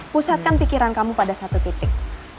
pusatkan pikiran kamu pada satu titik